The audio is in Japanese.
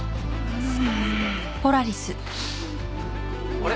あれ？